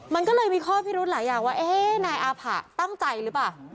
มันก็เลยมีข้อพิรุธหลายอย่างว่าเอ๊ะนายอาผะตั้งใจหรือเปล่า